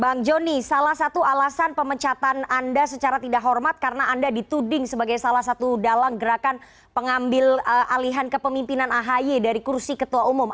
bang joni salah satu alasan pemecatan anda secara tidak hormat karena anda dituding sebagai salah satu dalang gerakan pengambil alihan kepemimpinan ahy dari kursi ketua umum